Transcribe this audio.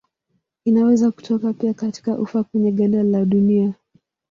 Inaweza kutoka pia katika ufa kwenye ganda la dunia.